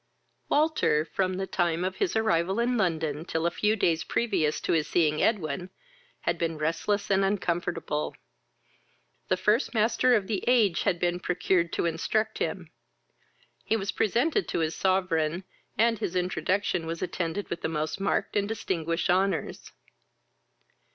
Walter, from the time of his arrival in London, till a few days previous to his seeing Edwin, had been restless and uncomfortable. The first master of the age had been procured to instruct him. He was presented to his sovereign, and his introduction was attended with the most marked and distinguished honours.